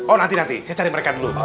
oh nanti nanti saya cari mereka dulu